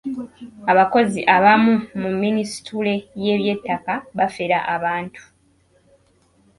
Abakozi abamu mu minisitule y’eby'ettaka bafera abantu.